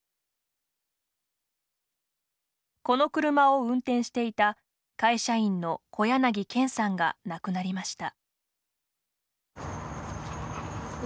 この車を運転していた会社員の小柳憲さんが亡くなりました。